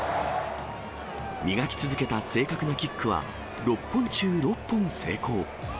磨き続けた正確なキックは、６本中６本成功。